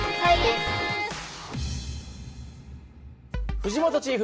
藤本チーフ